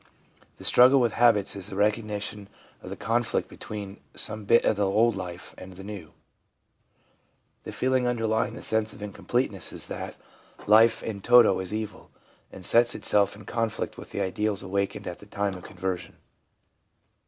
The struggle with habits is the recognition of the conflict between some bit of the old life and the new ; the feeling underlying the sense of incompleteness is that life in toto is evil, and sets itself in conflict with the ideals awakened at the time of conversion.